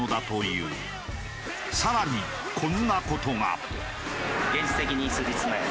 更にこんな事が。